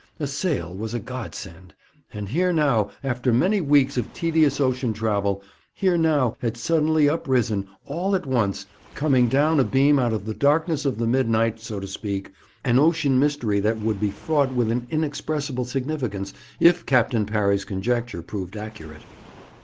A sail was a Godsend. And here now, after many weeks of tedious ocean travel, here now had suddenly uprisen, all at once, coming down a beam out of the darkness of the midnight, so to speak, an ocean mystery that would be fraught with an inexpressible significance if Captain Parry's conjecture proved accurate.